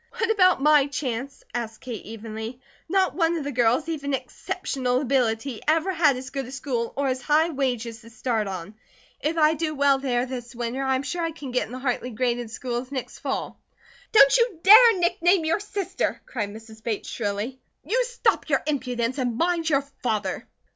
"What about my chance?" asked Kate evenly. "Not one of the girls, even Exceptional Ability, ever had as good a school or as high wages to start on. If I do well there this winter, I am sure I can get in the Hartley graded schools next fall." "Don't you dare nickname your sister," cried Mrs. Bates, shrilly. "You stop your impudence and mind your father."